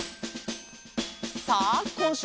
さあこんしゅうの。